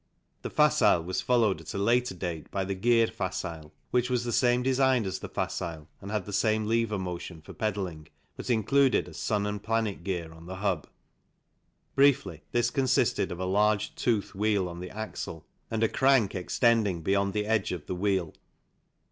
The Facile was followed at a later date by the Geared Facile, which was the same design as the .Facile and had the same lever motion for pedalling, but included a sun and planet gear on the hub. Briefly, this consisted of a large toothed wheel on the axle and a crank extending beyond the edge of the wheel.